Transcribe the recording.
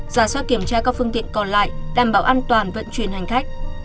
giả soát kiểm tra các phương tiện còn lại đảm bảo an toàn vận chuyển hành khách